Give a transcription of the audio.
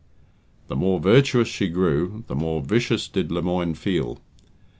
The more virtuous she grew, the more vicious did Lemoine feel.